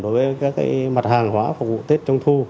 đối với các mặt hàng hóa phục vụ tết trung thu